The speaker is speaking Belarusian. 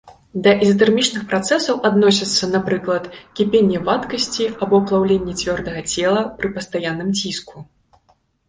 Да ізатэрмічных працэсаў адносяцца, напрыклад, кіпенне вадкасці або плаўленне цвёрдага цела пры пастаянным ціску.